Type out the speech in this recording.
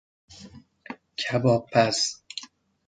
کبابپز